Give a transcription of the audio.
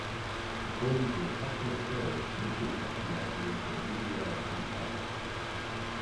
According to a popular story, Mitchell got the idea for the Riviera in Paris.